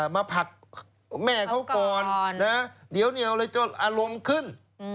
มาผักแม่เขาก่อนเดี๋ยวเลยอารมณ์ขึ้น